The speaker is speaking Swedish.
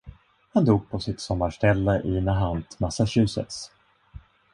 Han dog på sitt sommarställe i Nahant, Massachusetts.